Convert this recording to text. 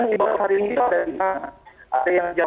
ibadah hari ini ada yang jam enam